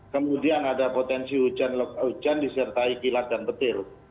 kemudian ada potensi hujan disertai kilat dan petir